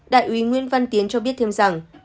đại úy nguyên văn tiến cho biết thêm rằng